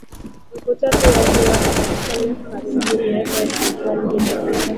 robo tatu ya umri wake Katika miaka ya karibuni afya yake imekuwa ikizorota kiasi